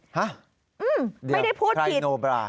ฮะเดี๋ยวใครโนบราไม่ได้พูดผิด